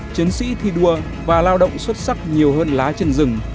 chiến sĩ thi đua và lao động xuất sắc nhiều hơn lá chân rừng